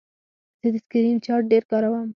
زه د سکرین شاټ ډېر کاروم.